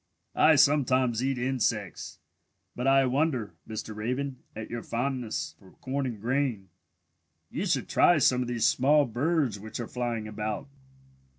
"I sometimes eat insects, but I wonder, Mr. Raven, at your fondness for corn and grain. You should try some of these small birds which are flying about."